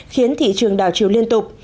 khiến thị trường đào chiều liên tục